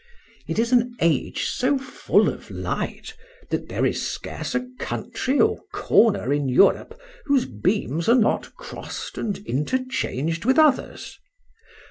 It is an age so full of light, that there is scarce a country or corner in Europe whose beams are not crossed and interchanged with others.